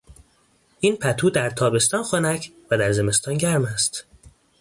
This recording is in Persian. این پتو در تابستان خنک و در زمستان گرم است.